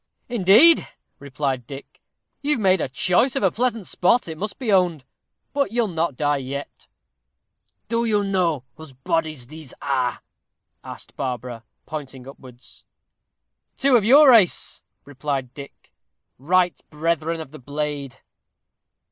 "Indeed," replied Dick. "You've made choice of a pleasant spot, it must be owned. But you'll not die yet?" "Do you know whose bodies these are?" asked Barbara, pointing upwards. "Two of your race," replied Dick; "right brethren of the blade."